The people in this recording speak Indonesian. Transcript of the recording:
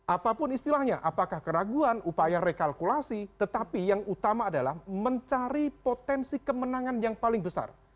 apapun istilahnya apakah keraguan upaya rekalkulasi tetapi yang utama adalah mencari potensi kemenangan yang paling besar